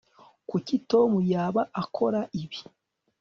Kuki Tom yaba akora ibi